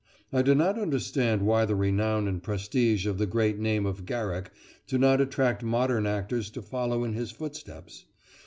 I do not understand why the renown and prestige of the great name of Garrick do not attract modern actors to follow in his footsteps.